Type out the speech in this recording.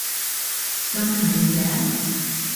咁勤力嘅